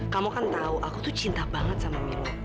kamu kan tahu aku tuh cinta banget sama mirna